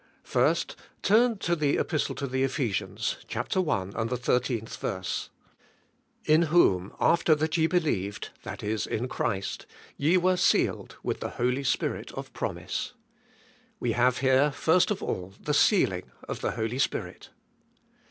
1 . Turn to the Epistle to the Ephesians, chapter 1, ^HE) HOtY SPIRIT IN KPHESIANS. 59 and the 13th verse. ''In whom, after that ye be lieved, (that is, in Christ) ye were sealed with the Holy Spirit of promise." We have here first of all the sealing of the Holy Spirit.